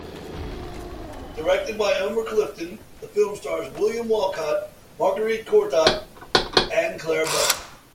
Directed by Elmer Clifton, the film stars William Walcott, Marguerite Courtot, and Clara Bow.